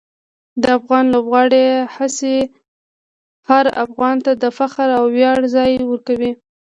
د افغان لوبغاړو هڅې هر افغان ته د فخر او ویاړ ځای ورکوي.